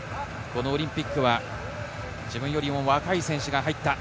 オリンピックは、自分よりも若い選手が入った。